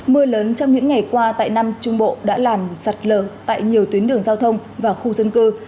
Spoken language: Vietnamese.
mưa lớn trong những ngày qua tại nam trung bộ đã làm sạt lờ tại nhiều tuyến đường giao thông và khu dân cư